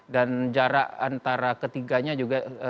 dan jarak antara ketiganya juga